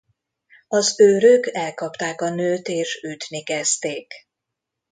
Az őrök elkapták a nőt és ütni kezdték.